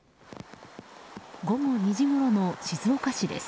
午後２時ごろの静岡市です。